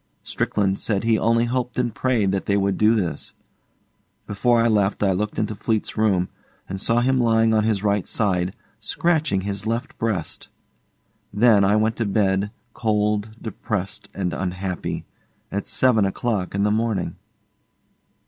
Strickland said he only hoped and prayed that they would do this. Before I left I looked into Fleete's room, and saw him lying on his right side, scratching his left breast. Then. I went to bed cold, depressed, and unhappy, at seven o'clock in the morning.